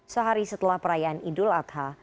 sehari setelah perayaan idul adha